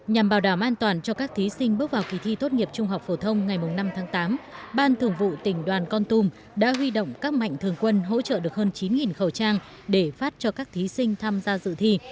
nhằm bảo đảm an toàn cho các thí sinh bước vào kỳ thi tốt nghiệp trung học phổ thông ngày năm tháng tám ban thường vụ tỉnh đoàn con tum đã huy động các mạnh thường quân hỗ trợ được hơn chín khẩu trang để phát cho các thí sinh tham gia dự thi